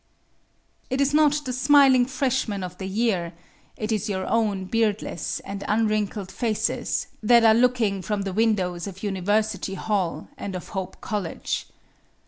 It is not the smiling freshmen of the year, it is your own beardless and unwrinkled faces, that are looking from the windows of University Hall and of Hope College.